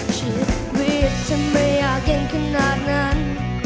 ชีวิตถ้ามันอยากยังขนาดนั้น